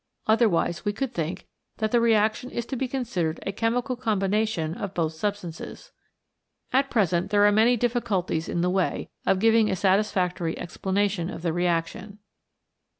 Otherwise we could think that the reaction is to be considered a chemical combination of both substances. At present there are many difficulties in the way of giving a satisfactory explanation of the reaction.